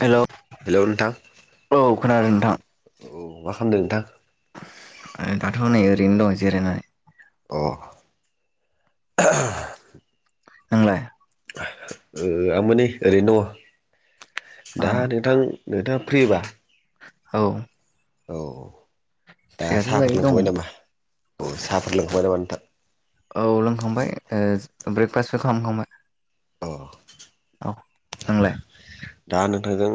Hello. Hello नोंथां। औ खोनादों नोंथां। औ मा खालामदों नोंथां? ओ दाथ' नै ओरैनो दं जिरायनानै। अ। [inaudible] नोंलाय? आंमै ओरैनो दङ। आ दा नोंथां नोंथाङा फ्रिबा? औ। औ दा फ्रियाथ' साहाफोर दायो दङ लोंखांबाय नामा औ साहाफोर लोंखांबाय नामा नोंथां? औ लोंखांबाय ब्रेकफास्टबो खालामखांबाय। अ। औ नोंलाय? दा नोंथांजों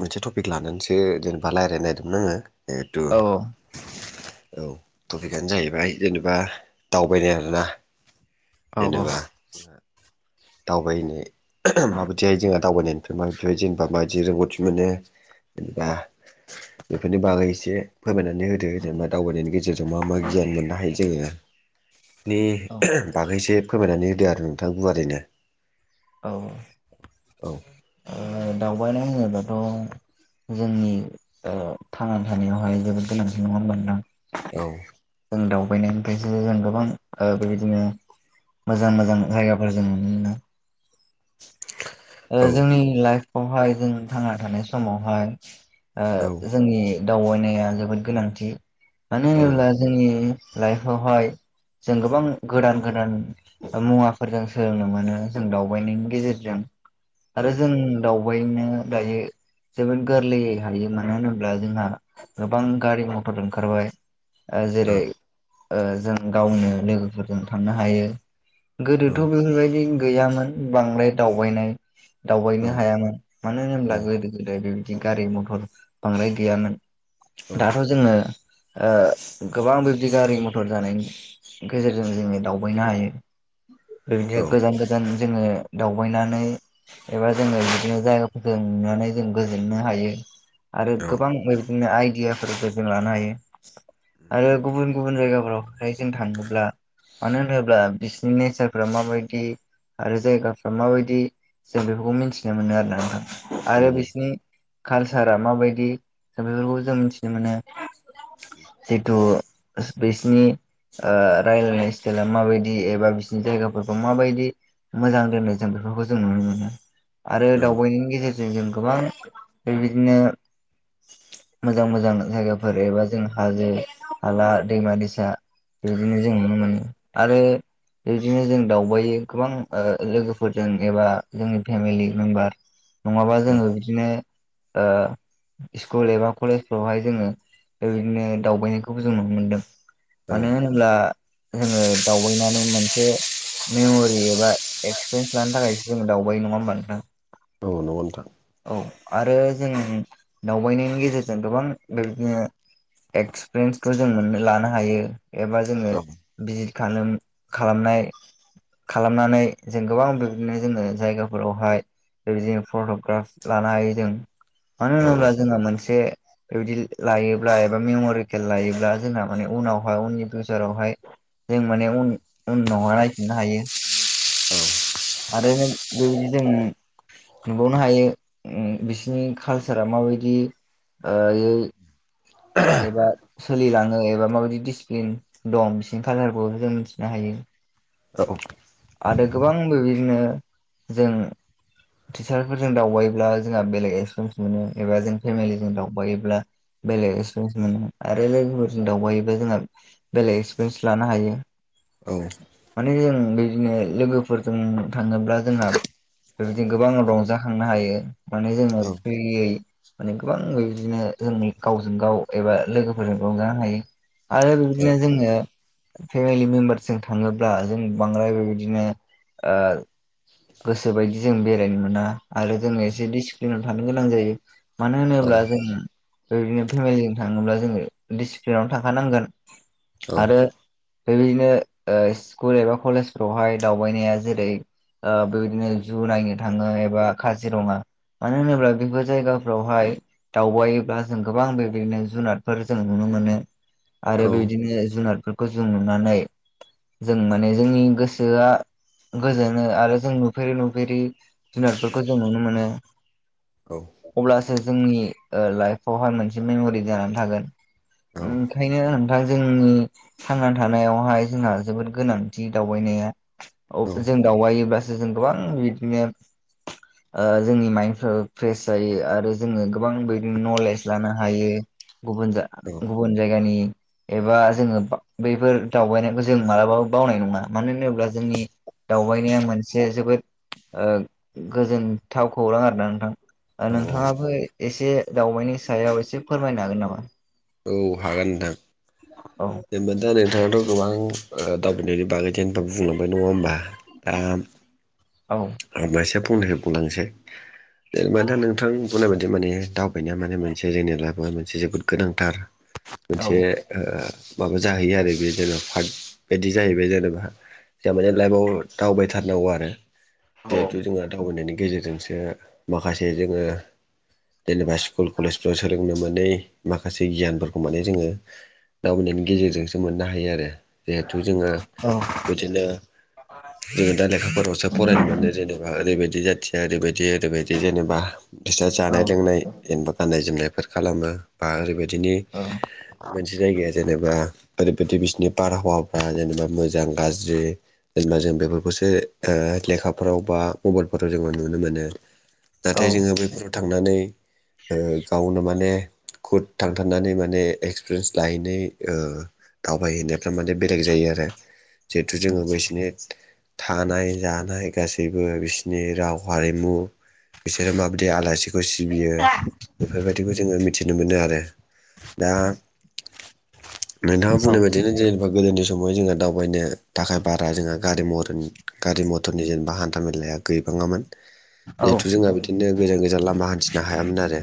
मोनसे टपिक लानानैसो जेनेबा रायज्लायनो नागिरदोंमोन आङो। जेहेथु औ औ टपिकआनो जाहैबाय जेनेबा दावबायनाय आरोना औ जेनेबा औ दावबायनो जोंहा दावबायनो माबायदिहाय जोंहा दावबायनो मानसिफ्रा जेनेबा माबायदि रोंगौथि मोनो जेनेबा बेफोरनि बागै एसे फोरमायनानै होदो जेनेबा दावबायनायनि गेजेरजों मा मा गियान मोननो हायो जोङो। नि औ बागैसो फोरमायनानै होदो आरो नोंथां गुवारैनो। औ। औ। ओ दावबायनाय बुङोबाथ' जोंनि थांनानै थानायावहाय जोबोद गोनांथि नङा होनबा नोंथां? औ। जों दावबायनायनिफ्रायसो जों गोबां ओ बेबायदिनो मोजां मोजां जायगाफोर जों नुनो मोनो। औ जोंनि लाइफआवहाय जों थांना थानाय समावहाय ओ औ जोंनि दावबायनाया जोबोद गोनांथि मानो औ होनोब्ला जोंनि लाइफावहाय जों गोबां गोदान गोदान मुवाफोरजों सोलोंनो मोनो जों दावबाय गेजेरजों औ आरो जों दावबायनो दायो जोबोद गोरलैयै हायो मानो होनोब्ला जोंहा गोबां गारि मथर ओंखारबाय। आरो जेरै ओ जों गावनो लोगोफोरजों थांनो हायो। औ गोदोथ' बेफोरबायदि गैयामोन बांद्राय दावबायनाय दावबायनो औ हायामोन मानो होनोब्ला औ गोदो गोदाय बेबायदि गारि मथर बांद्राय गैयामोन। दाथ' जोङो गोबां ओ बिबदि गारि मथर जानाय गेजेरजों जोङो दावबायनो हायो बेबायदिनो गोजान गोजान जोङो दावबायनानै एबा जोङो बिदिनो जायगाफोरखौ नुनानै जों गोजोननो हायो आरो गोबां बिदिनो आइडियाफोरबो जों लानो हायो आरो गुबुन गुबुन जायगाफ्राव ओफ्राय जों थाङोब्ला मानो होनोब्ला बिसिनि नेचारफ्रा माबायदि आरो जायगा माबायदि जों बेफोरखौ मिथिनो मोनो आरोोना नोंथां औ औ आरो बिसिनि कालसारा माबायदि बेफोरखौ जों मिथिनो मोनो जिथु बेसनि रायलायनाय स्टाइला माबायदि एबा बिसोरनि जायगाफोरखौ माबायदि मोजां दोननो जों बेफोरखौ जों नुनो मोनो आरो दावबायनायनि गेजेरजों जों गोबां बेबायदिनो मोजां मोजां जायगाफोर एबा जों हाजो हाला दैमा दैसा बेबायदिनो जों नुनो मोनो आरो बेबायदिनो जों दावबायो गोबां लोगोफोर फोरजों एबा जोंनि फेमिलि मेम्बार नङाबा जोङो बिदिनो ओ स्कुल एबा कलेजफोरावहाय जोङो बेबायदिनो दावबायनायखौबो जों नुनो मोन्दों। मानो होनो ब्ला जोङो दावबायनानै मोनसे मेमरि एबा एस सिरिेन्स लानो थाखाय जोों दावबाय नङा होनबा नोंथां। औ नंगौ नोथां। औ आरो जों दावबायनायनि गेजेरजों गोबां बेदिनो एक्सपिरियेन्सखौ जों मोननो लानो हायो। एबा जोङो औ बिजित खालाम खालामनाय खालामनानै जों गोबां बिदिनो जोङो जायगाफोरावहाय बेबायदिनो फट'ग्राफ लानो हायो जों। मानो औ होनोब्ला जोंना मोनसे बेबायदि लायोब्ला एबा मेमरिकेल लायोब्ला जोंना माने उनावहाय उननि फिउसारावहाय जों माने उन उनावहाय नायफिननो हायो। आरो बेबायदि जों सोंबावनो हायो ओ बिसनि कालसारा माबायदि ओ एबा सोलिलाङो एबा माबायदि दिडसिप्लिन दं बिसिनि खाालारखौ जों मिथिनो हायो। औ औ आरो गोबां बेबायदिनो जों टिचारफोरजों दावबायोब्ला जोंहा बेलेग एक्सपिरियेन्स मोनो एबा जों फेमिलिजों दावबायोब्ला बेलेग एक्सपिरियेन्स मोनो आरो लोगोफोरजों दावबायोबा जोंहा बेलेग एक्सपिरियेन्स लानो हायो। औ माने जों बिदिनो लोगोफोरजों थाङोब्ला जोंहा बेबायदि गोबां रंजाखांनो हायो माने जोङो फ्रियै माने गोबां बेबायदिनो जोंनि गावजों गाव एबा लोगोफोरजों रंजानो हायो। आरो बिदिनो जोङो फेमिलि मेम्बारजों थाङोब्ला जों बांद्राय बेबायदिनो ओ गोसो बायदि जों बेरायनो मोना आरो जोङ एसे डिसिप्लिनाव थानो गोनां जायो। मानो होनोब्ला जों बेबायदिनो फेमिलिजों थाङोब्ला जोङो डिसिप्लिनाव थाखानांगोन आरो बेबायदिनो स्कुल एबा कलेजफ्रावहाय दावबायनाया जेरै बेबायदिनो जु नायनो थाङो एबा काजिरङा मानो होनोब्ला बेफोर जायगाफ्रावहाय दावबायोब्ला जों गोबां बेबायदिनो जुनारफोर जों नुनो मोनो आरो बेबायदिनो जुनारफोरखौ जों नुनानै जों माने जोंनि गोसोआ गोजोनो आरो जों नुफेरै नु जेरै जुनारफोरखौ जों नुनो मोनो। अब्लासो जोंनि लाइफआवहाय मोनसे मेमरि जानानै थागोन। ओंखायनो नोंथां जोंनि थांना थानायावहाय जोंहा जोबोद गोनांथि दावबायनाया। औ जों दावबायोब्लासो जों गोबां बिदिनो जोंनि माइन्डफ्राबो फ्रेस जायो आरो जोङो गोबां बिदिनो नलेज लानो हायो गुबुन औ गुबुन जायगानि एबा जोङो बैफोर दावबायनायखौ जों मालाबाबो बावनाय नङा मानो होनोब्ला जोंनि दावबायनि मोनसे जोबोद ओ गोजोनथाव खौरां आरो ना नोंथां औ नोंथाङाबो एसे दावबायनि सायाव एसे फोरमायनो हागोन नामा? औ हागोन नोंथां। औ जेनेबा दा नोंथाङाथ' गोबां दावबायनायनि बागै होनब बुंलांबाय नङा होमबा दा औ आांबो एसे फननिफ्राय बुंलांनोसै। जेनेबा दा नोंथां बुंनाय बायदि माने दावबायनाया माने मोनसे जोंनि लाइफआ मोनसे जोबोद गोनांथार। [inaudible] मोनसे औ ओ माबा जाहैयो आरो बे जेनेबा पार्क बायदि जाहैबाय जेनेबा। जाबाय नालाय माने लाइफआव दावबायथारनांगौ आरो औ जिहेथु जोङहा दावबायनायनि गेजेरजोंसो माखासे जोङो जेनेबा स्कुल कलेजफ्राव सोलोंनो मोनै माखासे गियानफोरखौ माने जोङो दावबायनायनि गेजेरजोंसो मोननो हायो आरो जिहेथु जोङो औ बिदिनो जोङो दा लेखाफोरावसो फरायनो मोनो। जेनेबा ओरैबायदि जाथिया ओरैबायदि ओरैबायदि जेनेबा बिस्रा औ जानाय लोंनाय जेनेबा गाननाय जोमनायफोर खालामो बा ओरैबायदिनि मोनसे जायगाया जेनेबा ओरैबायाददि बिसिोरनि बारहावाफ्रा जेनेबा मोजां गाज्रि। जेनेबा जों बेफोरखौसो ओ लेखाफोराव बा मबाइलफोराव जोङो नुनो मोनो औ नाथाय जोङो बैफोराव थांनानै ओ गावनो माने खुद थांथारनानै माने एक्सपिरियेन्स लाहैनाय ओ दावबायहैनायफ्रा माने बे बेलेग जायोे जेथु जों बिसनि थानाय जा नाय गासैबो बिसोरनि राव हारिमु बिसोरो माबायदि आलासि खौ सिबियो बेफोरबायदिखौ जोङो मिथिनो मोनो आरो दा नोंथाङा बुंनाय बायदिनो ज गोदोनि समाव जोङो दावबायनो थाखाय बारा जोंहा गारि मर गारि म थरनि जेनबा हान्था मेलाया गैबाङामोन। औ जिहेथु जोंहा बिदिनो गोजान गोजान लामा हान्थिनो हायामोन आरो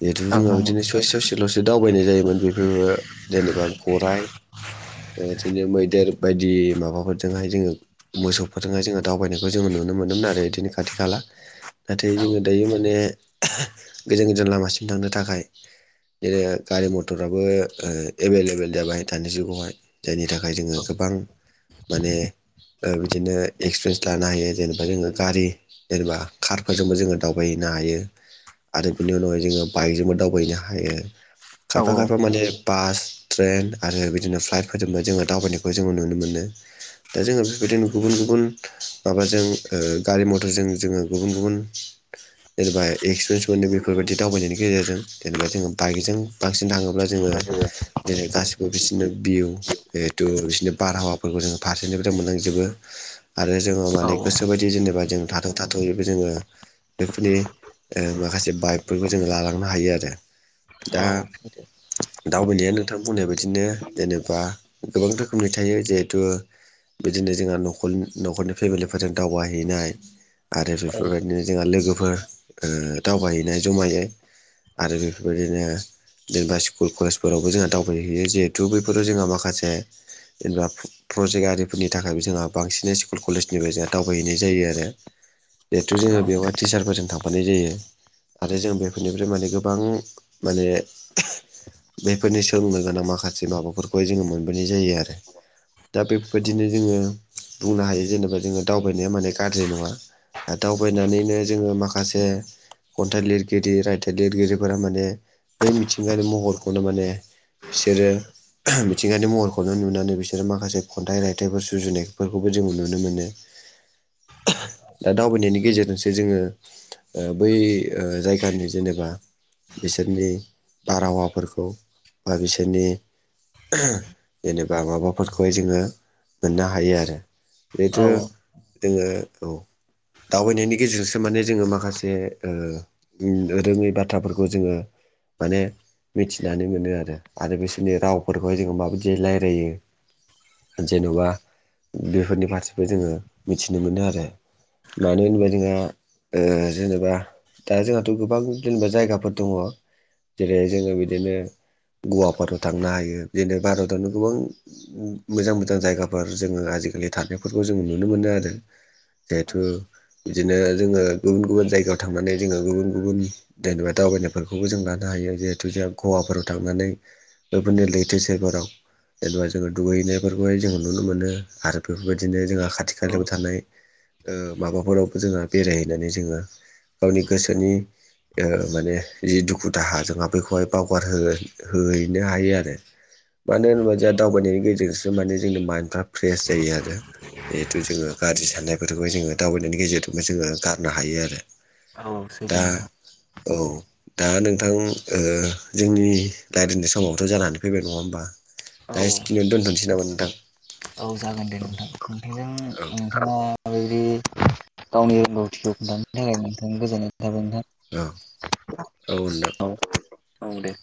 जिहेथु औ जोंहा नंगौ बिदिनो ससे ससेल'सो दावबायनाय जायोमोन बेफोरबो जेनेबा गराय। बिदिनो मैदेर बायदि माबाफोरजोंहाय जोङो मोसौफोरजोंहाय जोङो दावबायनायखौ जोङो नुनो मोनोमोन आरो बिदिनो खाथि खाला नाथाय जोङो दायो माने गोजान गोजान लामासिम थांनो थाखाय बिदिनो गारि मथराबो एभेलेबेल जाबाय दानि जुगावहाय। जायनि थाखाय जोङो गोबां माने बिदिनो एक्सपिरिेन्स लानो हायो जेनेबा जोङो गारि जेनेबा कारफोरजोंबो जोङो दावबायहैनो हायो। आरो बिनि उनावहाय जोङो बाइकजोंबो दावबायनो हायो औ खायफा खायफा माने बास ट्रेन आरो बिदिनो फ्लाइट फोदोंबो जोङो दावबायनायखौ जोङो नुनो मोनो। दा जोङो बेबायदिनो गुबुन गुबुन माबाजों गारि ओ मथरजों जोङो गुबुन गुबुन जेनेबा एक्सपिरियेन्स मोनो बेफोरबायदि दावबायनायनि गेजेरजों जेनेबा जोङो बाइकजों बांसिन थाङोब्ला जोङो जेरै गासिबो बिसोरनो भिउ जिहेथु बिसोरनि बारहावाफोरखौ जोङो फारसेनिफ्राय मोननांजोबो। आरो जोङो माने गोसोोबायदि जेनेबा जों थाथों। थाथयोबो जोङो बेफोरनि माखासे बाइकफोरखौ जोङो लालांनो हायो आरो दा औ दावबायनाया नोंथां बुंनाय बाददिनो जेनेबा गोबां रोखोमनि थायो जिहेथु बिदिनो जोंहा नखल न'खरनि फेमिलिफोरजों दावबायाहैनाय। आरो बेफोरबायदिनो जोंहा लोगोफोर दावबायहैनाय जमायै आरो बेफोरबायदिनो जेनेबा स्कुल कलेजफोरावबो जोंहा दावबायहैयो जिहेथु बैफोराव जोंहा माखासे जेनेबा प्रजेक्ट आरिफोरनि थाखायबो जोंहा बांसिनै स्कुल कलेजनिफ्राय जोंहा दावबायहैनाय जायो आरो जिहेथु जोंङो बेवहाय टिचारफोरजों थांफानाय जायो। आरो जों बेफोरनिफ्राय माने गोबां माने बेफोरनि सोलोंनो गोनां माखासे माबाफोरखौाय जोंङो मोनबोनाय जायो आरो। दा बेबायदिनो जोंङो बुंनो हायो जेनेबा जोंङो दावबायनाया माने गाज्रि नङा आरो दावबायनानैनो जोंङो माखासे खन्थाइ लिरगिरि रायथाइ लिरगिरिफोरा माने बै मिथिंगानि महरखौनो माने बिसोरो मिथिंगारि महरखोनो नुनानै बिसोरो माखासे खन्थाइ रायथाइफोर सुजुनायफोरखौबो जों नुनो मो नो मोनो दा दावबायनायनि गेजेरजोंसो जोंङो ओ बै जायगानि जेनेबा बिसोरनि बारहावाफोरखौ बा बिसोरनि जेनेबा माबाफोरखौहाय जोङों मोननो हायो आरो। जिहेथु औ जोंङो औ दावबायनायनि गेजेरजोंसो माने जोंङो माखासे रोङै बाथ्राफोरखौ जोंङो माने मिथिनानै मोनो आरो आरो बिसोरनि रावफोरखौहाय जोंङो माबायदि रायलायो जेन'बा बेफोरनि फारसेबो जोंङो मिथिनो मोनो आरो। मानो होनोबा जोंहा ओ जेनेबा दा जोंहाथ' गोबां जेनेबा जायगाफोर दङ जेरै जोंङो बिदिनो गवाफोराव थांनो हायो बिदिनो भारतावनो गोबां मोजां मोजां जायगाफोर जोंङो आजिखालि थानायारनायफोरखौ जोंङो नुनो मोनो आरो। जिहेथु बिदिनो जोंङो गुबुन गुबुन जायगायाव थांनानै जोंङो गुबुन गुबुन जेनेबा दावबायनायफोरखौबो जों लानो हायो जिहेथु जों गवाफोराव थांनानै बेफोरनि लैथो सेरफोराव जेनेबा जोंङो दुगैनायफोरखौहाय जोंङो नुनो मोनो आरो बेफोरबाय दिनो जोंहा खाथि खालायाव थानाय माबाफोरावबो जोंहा बेरायहैनानै जोंङो गावनि गोसोनि ओ माने जि दुखु दाहा जोंहा बेखौहाय बावगारहो हैनो हायो आरो। मानो होनोबा जोंहा दावबायनायनि गेजेरजोंसो माने जोंनि माइन्दफ्रा फ्रेस जायो आरो। जिहेथु जोंङो गाज्रि सानाय बेफोरखौ जोंङो दावबायनायनि गेजेरजोंनो जोंङो गारनो हायो आरो। औ दा सैथो नोंथां औ दा नोंथां ओ जोंनि रायलायनाय समावथ' जानानै फैबाय नङा होमबा औ दा एसेखिनियाव दोनथ'नोसै नामा नोंथां औ जागोन दे औ नोंथां खन्थाइजों औ ओ बेबादि गावनि रोंगौथिखौ खोन्थानायनि थाखाय नोंथां गोजोननाय थाबाय नोंथां औ औ नोंथां औ औ दे